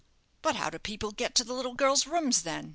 "But how do people get to the little girl's rooms, then?"